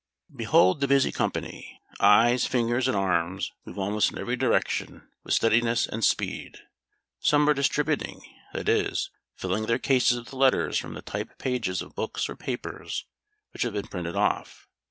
] Behold the busy company. Eyes, fingers, and arms move almost in every direction with steadiness and speed. Some are "distributing;" that is, filling their cases with letters from the type pages of books or papers which have been printed off.